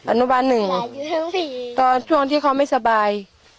อนุบาลหนึ่งตอนช่วงที่เขาไม่สบาย